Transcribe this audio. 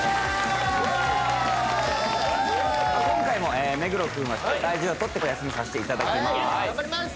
今回も目黒くんは大事をとってお休みさせていただきます頑張ります